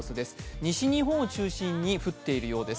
西日本を中心に降っているようです。